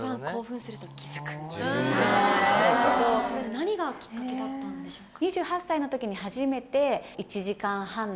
何がきっかけだったんでしょうか？